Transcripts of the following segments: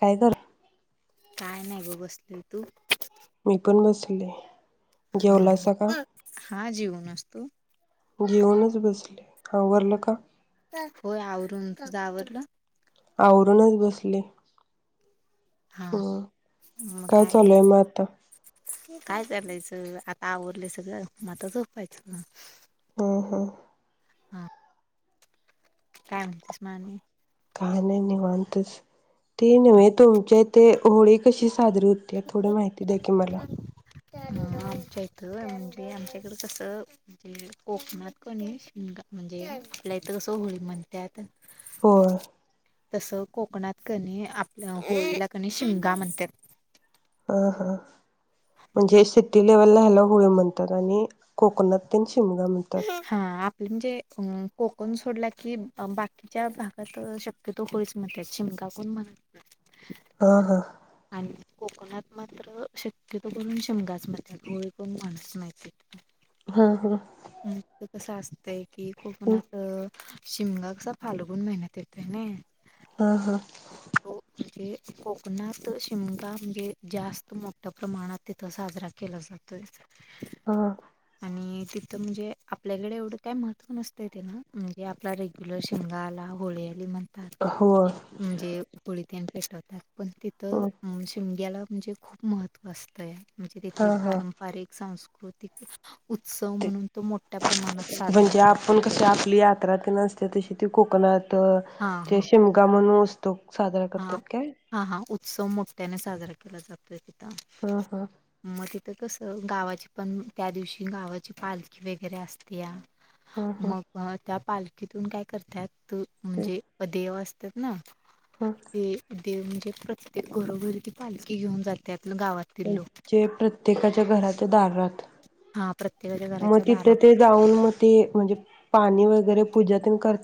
काय धर काय नाय ग बसलीए तू मी पण बसले. हा जेवलासा का हा जेवुन असतो. जेवुनचं बसले आवरलं का? होय आवरून तुज आवरल आवरूनच बसले. हा हं मग काय चालूय नाही म आता काय चालंयच आता आवरलय सगळं म आता झोपायच म हूं हूं हा काय म्हणतेस म आणि काय नाही निवांतच ते नव्ह तुमच्या हिते होळी कशी [unintelligible] थोड माहिती द्या की मला ह आमच्या इथं म्हणजे आमच्याकड कसं म्हजे कोकणात कनी शिमगा म्हणजे आपल्या इथं कसं होळी म्हणत्यात हो तसं कोकणात कणी आप- होळीला कणी शिमगा म्हणत्यात ह ह म्हणजे शीत ती लेव्हलला हेला होळी म्हणतात आणि कोकणत त्येची टीमगा म्हणतात हा आपले म्हणजे अ कोकण सोडला की, बाकीच्या भागात शक्यतो होळीच म्हणत्यात शिमगा कोण म्हणत नाय. हां हां आणि कोकणात मात्र शक्यतो करून शिमगाच म्हणत्यात होळि कोण म्हणत नाही तितकं ह ह हं त कसं असतंय की, खूप ऊनात शिमगा कसा फालगून महिन्यात येतय नई अ ह तो म्हणजे कोकणात शिमगा म्हणजे जास्त मोठ्या प्रमाणात तिथं साजरा केला जातोय. अ मी ते तर म्हणजे आपल्याकडे एवढं काय महत्त्व नसतं तेला म्हणजे आपला रेग्युलर शिमगा आला, होळी आली मग होय म्हणजे पोळीतेन वेस्ट होतात. पण तिथं अ शिमग्याला म्हणजे खूप महत्त्व असतयं. म्हणजे तिथली हां हां पारंपारिक संस्कृ कृतीक उत्सव ते म्हणून साजरा म्हणजे केला आपण जातोय. कशी आपली यात्रा कना असते तशी ती कोकण [unintelligible] तर हां, ते हां, शिमगा म्हणूस तोक साजरा करत्यात काय? सो मुक्याने साजरा केला जातोय. हा हा मग तिथं कस तर गावाची पण त्या दिवशी गावाची पालखी वगैरे असतीया हा हा मग बा त्या पाल तिथून काय करत्यात त म्हणजे प देव अस त्यातन हं ते देव म्हणजे प्रत्येक घरोघरी ती पालखी घेऊन जात्यात. गावातील हुं लोक. जे प्रत्येकाच्या घराच्या दारात हा प्रत्येकाच्या म घराच्या तिथे दारात ते जाऊन म ते म्हणजे पाणी वगै घरी पूजा तेन कर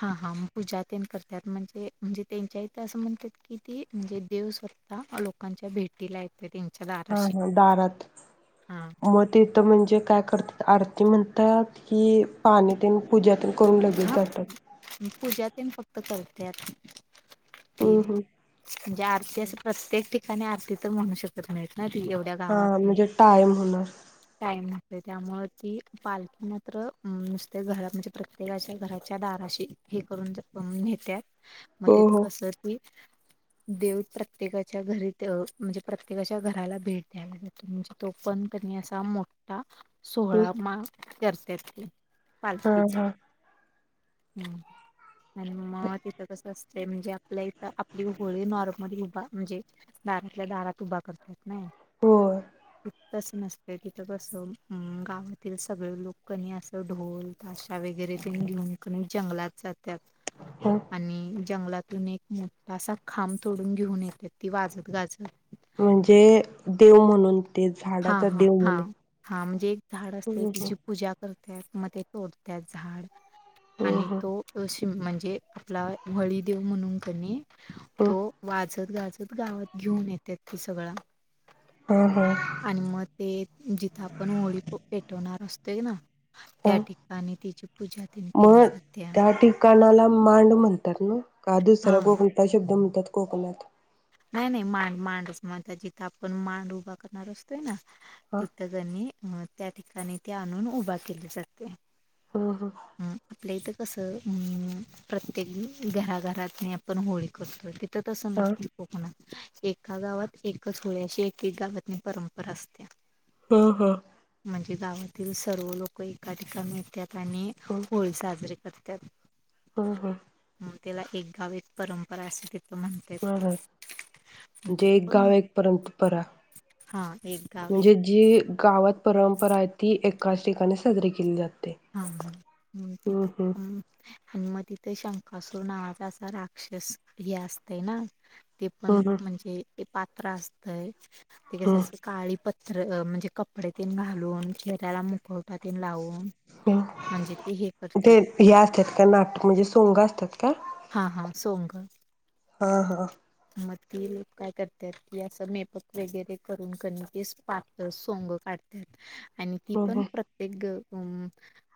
हा हाम् पूजा तेन करत्यात म्हणजे म्हणजे त्यांच्या इथं असं म्हणत्यात की ते म्हणजे देव स्वतः लोकांच्या भेटीला येत्याती हा हा दारात हा म तिथ म्हणजे काय करतात आर ते म्हणतात की पाणी तेन पुजातेन कोण लगे हा जाट पूजा तेन फक्त करत्यात. हुं हम्म हम्म म्हणजे आरती अस प्रत्येक ठि आणि आरती तर म्हणू शकत नाहीत. ना ती एवढ्या हा गावातून म्हणजे टाइम होणार. त्यामुळे ती पालखी मात्र ह‌म्म नुसते घर म्हणजे प्र देवाच्या घराच्या दाराशी हे करून नेतात मग हो तिथं कसं ती देव प्रत्येकाच्या घरी त्यो म्हणजे प्रत्येकाच्या घराला भेट दायला जातो. म्हणजे तो पण कनई असा मोठा हो सोळा मा करत्यात की. हा पालकीचा. हा हम्म आणि मग तिथं कसं असत ते म्हणजे आपल्या इथं आपली होळी नॉर्मली उभा म्हणजे दारातल्या दारात उभा करत्यात नाही होय. ह‌म‌् तंस नसत्य तिथं कसं हम‌् गावातील सगळे लोक कणी असं ढोल ताशा वगैरे तेनी घेऊन कणी जंगलात जा त्यात आणि जंगलात त्यातून एक मोठा अस खांब तोडून घेऊन येत्यात ती वाजत गाजतं म्हणजे देव म्हणून ते हा झाडाचा हा देव हा म्हणून हा म्हणजे एक झाड असत्य हम्म तेझी पूजा करत त्यात मग ते तोडत्यात झाड. हम्म आणि हम्म तो अश म्हणजे आपला व्हळी देव म्हणून कणई हम्म हम्म तो वाज वाजत गाजत गावात घेऊन येत्यात ते सगळं हा हा आणि मग ते जिथे आपण होळी पो पेटवणार असतो तेईना हा तेन केली मग जात्या. त्या ठिकाणाला मांड म्हणत्यात नव्हं काय दुसरा हां, कोणता शब्द म्हणतात कोकणात नाही नाही मांड मांडच म्हणतात जिथं आपण मांड उभा करणार असतोय ना हा तिथं कणीई मग त्या ठिकाणी ते आणून उभा केल जातय हम्म, हम्म कसं हम‌् प्रत्येक घराघरात आपण होळी करतोय तिथं तसं हा नसतील कोकणात एका गावात एकच होळ अशी एक एक गावातनी परंपरा असत्या. हम् हम् म्हणजे गावातील सर्व लोक एका ठिका मिळतात आणि होळी साजरी करत्यात. हो हो तेला एक गाव एक परंपरा असते. हा हा मग म्हणजे तिथं एक गाव पण एक परंपरा हा एक गाव एक म्हणजे जे गावात परंपरा आहे ती एकाच ठिकाणी साजरी केली जाते. हा ह हम्म तिथ हम्म आणि मग तिथे शंका असत नावाचा असा राक्षस हे असतय ना. ते पण हम्म हम्म म्हणजे ते पात्र असत काय? ते कस असं हम्म काळी पत् म्हणजे कपडे तेन घालून चेहऱ्याला मुक मुकोटा तेन लावून ते हे ते करत्यात हे असतात का नाटक म्हणजे सोंग असतात का? हा हा सोंग हा हा मग ती काय करतात की असं मेकअप वगैरे करून कणी केस पातळ सोंग काढत्यात आणि ती ह पण ह प्रत्येक हम्म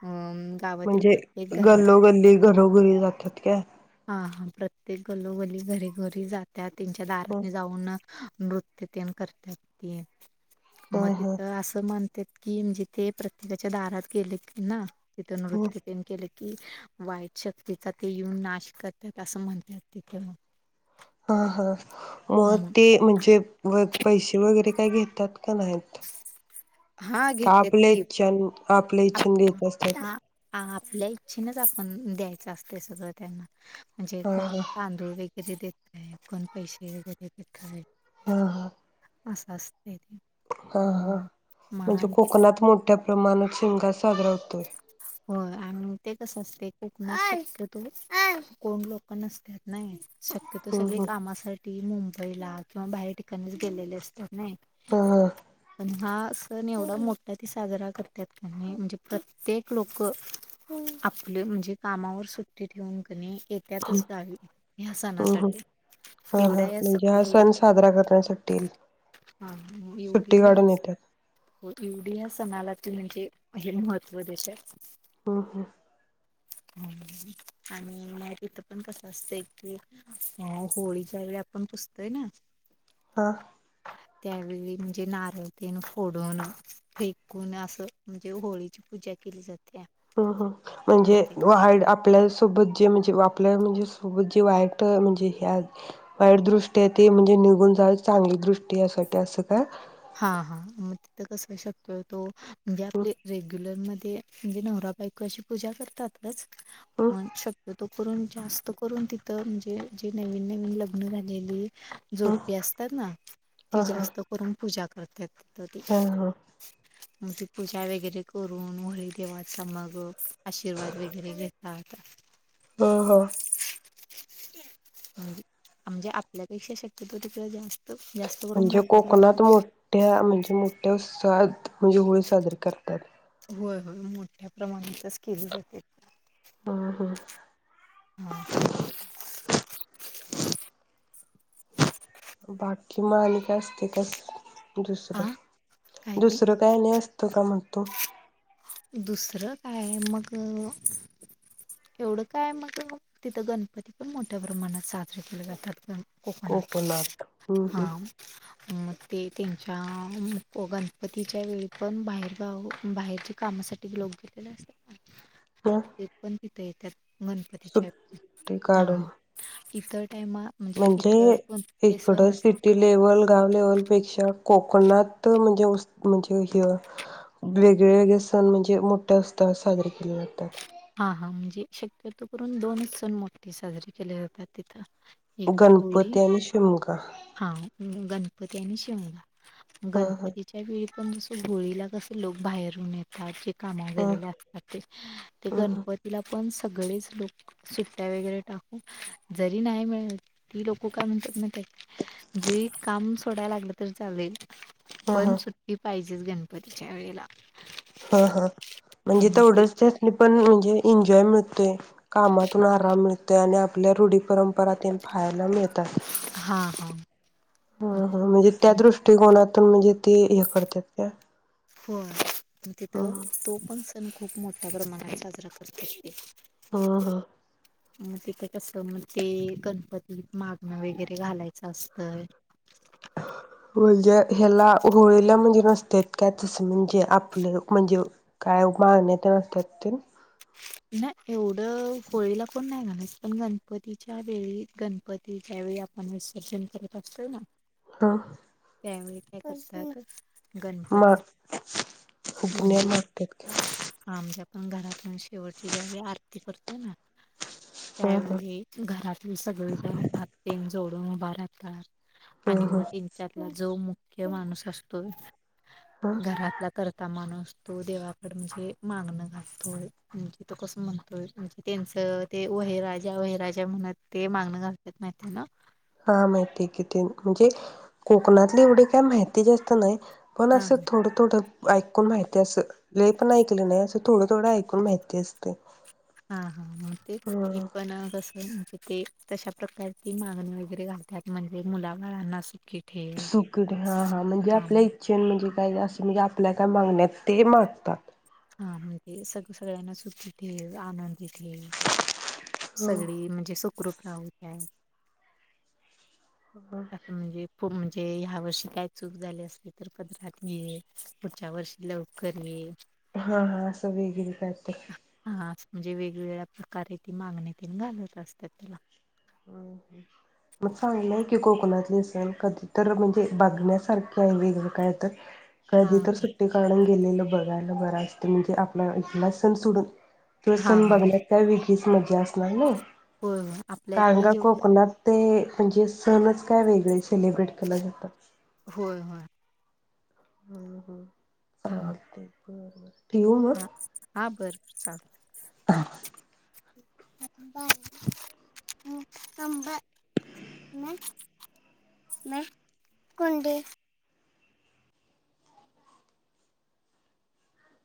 हम्म म्हणजे गल्लोगल्ली घरोघरी जातात का हा हा प्रत्येक गल्लोगल्ली घरी घरी जात्यात. त्यांच्या ह दारातने जाऊन नृत्य तेन करत्यात ते मग ह तिथं असं म्हण कि म्हणजे ते प्रत्येकाच्या दारात गेले ना तिथून नृत्य तेन केले कि वाईट शक्तीचा ते येऊन नाश करतात असं म्हणतात तिथे ह हा मग ते म्हणजे व पैसे वगैरे काय घेतात? का नाहीत हा का घेत्यात आपले की इच्छेने, आपल्या इच्छेने देत असत्यात. ह आपल्या इच्छेनेच आपण द्यायचं असते सगळं त्यांना म्हणजे हा कोण हा तांदूळ वगै के देतय कोण पैसे वगैरे देतय हा हा असं असतय हा हा म्हणजे कोकणात मोठ्या प्रमाणात शिंगमा साजरा करतात त हो आणि ते कसं असते कोकण तो लोक नसत नाही शक्यतो हम्म सगळे हम्म कामासाठी ती मुंबईला किंवा बाहेर ठिकाणीच गेलेली असतात नाय हा ह हा सण एवढा मोठा ते साजरा करतात की नाय म्हणजे प्रत्येक लोक आपले म्हणजे कामावर सुट्टी ठेवून कनी येत्यातच गावी ह्या हम्म हम्म सणासाठी हा हा एवढ्या या स म्हणजे हा एवढ्या सण साजरा करण्यासाठी सुट्टी काढून येतात. हो ऐवढी या सणाला म्हणजे हे महत्व देत्यात हम्म हम्म आणि तिथ पण कस असतय की अ होळीच्या वेळी आपण पुजतोय ना ह त्यावेळी म्हणजे नारळ तेन फोडून फेकून असं म्हणजे होळीची पूजा केली जाते हम हम म्हणजे इथे वाड आपल्या सोबत जे म्हणजे आपल्या म्हणजे सोबत जे वाईट म्हणजे ह्या वाईट दृष्टी ती म्हणजे निघून जाव, चांगली दृष्टी यासाठी असं का हा हा मग तिथं कस शकतोय तो म्हणजे आपले रेग्युलर मध्ये ते म्हणजे नवरा बायको अशी पूजा करतातच हम्म पण शक्यतो करून जास्त करून तिथं म्हणजे जी नवीन नवीन लग्न झालेली हम्म जोडपी असतात ना ती हा हा जास्त करून पूजा करतेत. ते हा हा म्हणजे पूजा वगैरे करून, होळी देवाचा मग आशीर्वाद वगैरे घेतात. हा हा ह [inaudible] [unintelligible] म्हणजे आपल्यापेक्षा शक्यतो तिकडे जास्त जास्त करून म्हणजे मोठ्या कोकणात प्रमाणात मोठ मोठ्या म्हणजे मोठ्या सात म्हणजे होळी साजरी करतात होय होय मोठ्या प्रमाणातच केली जाते हम्म हम्म हा [inaudible] बाकी मालिका असते तसं. दुसरं आ काय ते दुसरं काय आणि असतं का मग? तो दुसरं काय मग एवढं काय मग तिथं गणपती पण मोठ्या प्रमाणात साजरे केले जातात. पण कोकणात हम्म हम्म हां म ते त्यांच्या गणपतीच्या वेळी पण बाहेर गाव बाहेरचे कामासाठी लोक जास्त ह ते पण ते त्या गणपतीच्या सुट्टी हा काढून इतर टायमा म्हणजे इतर कोणते इकडं सण सिटी लेव्हल गाव लेवलपेक्षा कोकणात म्हणजे उस् म्हणजे ह वेगळेवेगळे सण म्हणजे मोठ्या उत्साहात साजरे केले जातात. हा हा म्हणजे शक्यतो करून दोनच सण मोठे साजरे केले जातात तिथं. एक होळी गणपती आणि शिमगा. प त्यांनी शिवला. हा हा गणपतीच्या वेळी पण जस होळीला कस लोक बाहेरून येतात कामावर हा गेलेले असतात ते ते हा गणपतीला पण सगळेच लोक सुट्ट्या वैगरे टाकू. जरी नाही मिळ ती लोक काय म्हणतात माहितेय काय जे काम सोडायला लागलं तरी चालेल हा पण हा सुट्टी पाहिजे. तेच गणपतीच्या वेळेला हा हा म्हणजे आणि ते तेवढंच त्यासनी पण म्हणजे एन्जॉय मिळतोय कामातून आराम मिळतोय आणि आपल्या रूढी परंपरा ते फाहायला मिळते. हां, हां. ह ह म्हणजे त्या दृष्टिकोनात तर म्हणजे ते हे करत्यात काय? होवा तिथं तो पण सण खूप मोठ्या प्रमाणात साजरा करत असते. अ ह म तिथे कस मग ते गणपतीत मागणं वैगरे घालायचं असतंय. म्हणजे ह्याला होळीला म्हणजे नसतेत काय तस म्हणजे आपले म्हणजे काय मागण्या ते असत्यात तेन. ना एवढं होळीला पण नाही घालीत पण गणपतीच्या वेळी गणपतीच्या वेळी आपण विसर्जन करत असतोय ना हा त्यावेळी काय कशातच मग फुकण्यां मागत्यात काय? घरातल्यांशी शेवटची ज्यावेळी आरती करतो ना. हा हा त्यावेळी घरातील सगळे जण हात तेन जोडून उभा राहतात हम्म आणि मग हम्म तीनच्यातला जो मुख्य माणूस असतोय हा घरातला करता माणूस तो देवाकड म्हणजे मागण घालतोय. म्हणजे तो कस म्हणतोय म्हणजे त्यांच ते वहिराजा व्हय राजा म्हणत ते मागण घालतात माहिती हाय ना हा माहितीय किती म्हणजे कोकणातले एवढ काय माहिती जास्त नाय पण हा अस हा थोड थोड ऐकून माहिती अस लय पण ऐकल नाही अस थोड थोड ऐकून माहिती असतय. हा हा मग तेच की पण कस म्हणजे ते तशा प्रकारे ती मागणी वगैरे घालतात म्हणजे मुलाबाळांना सुखी ठेव सुकट हा हा म्हणजे आपल्या इच्छेने जे काय अस म्हणजे आपल्या काय मागण्याआहेत ते मागतात हा म्हणजे सगळ्यांना सुखी ठेव. आनंदी ठेव. सगळी म्हणजे सुखरूप प्राहुंत्याल बर. खूप म्हणजे ह्या वर्षी काय चूक झाली असली तर पदरात घे पुढच्या वर्षी लवकर ये. हा हा अस वेगळी कायतर हां, म्हणजे वेगवेगळ्या प्रकारे ती मागणी तेन घालत असतात त्याला. कणातले सण कधी तरर म्हणजे बघण्यासारखे आहे वेगळ काय तर हां, कधीतर सुट्टी काढून गेलेल बघायला बर असत म्हणजे आपला इथला सण सोडून तो हां, सण बघण्यात काय वि तीच मज्जा असणार नाई. हो कारण का कोकणात ते त्यांचे सणच काय वेगळे सेलिब्रेट केला जातात. होय, होय. हं ह ह ते हं हं हा हा बर [unintelligible] [inaudible] [inaudible] [unintelligible]